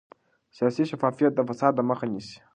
سیاسي شفافیت د فساد مخه نیسي